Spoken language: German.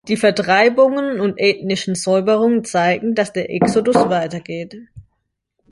Die Vertreibungen und ethnischen Säuberungen zeigen, dass der Exodus weitergeht.